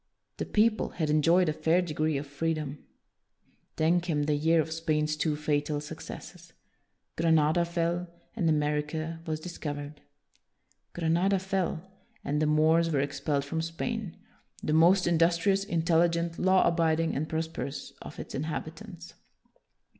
The people had enjoyed a fair degree of free dom. Then came the year of Spain's two fatal successes: Granada fell, and America was discovered. Granada fell, and the Moors were ex pelled from Spain, the most industrious, intelligent, law abiding, and prosperous of its inhabitants.